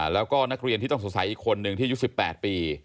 แล้วก็นักเรียนที่ต้องสงสัยอีกคนนึงที่อายุ๑๘ปี